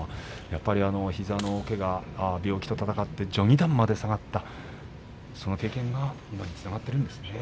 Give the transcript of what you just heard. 膝のけが、病気と戦って序二段まで下がったその経験がつながっているんですね。